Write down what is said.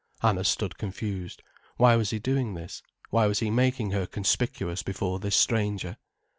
Anna stood confused. Why was he doing this, why was he making her conspicuous before this stranger?